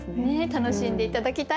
楽しんで頂きたいです。